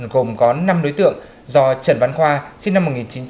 gồm có năm đối tượng do trần văn khoa sinh năm một nghìn chín trăm tám mươi